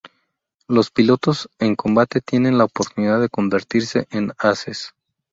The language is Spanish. Los pilotos en combate tienen la oportunidad de convertirse en ases.